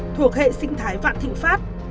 thuộc hệ sinh thái vạn thịnh pháp